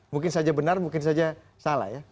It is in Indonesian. mungkin saja benar mungkin saja salah ya